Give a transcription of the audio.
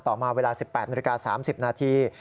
ต่อมาเวลา๑๘นิริกา๓๐นาที